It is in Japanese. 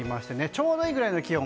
ちょうどいいくらいの気温。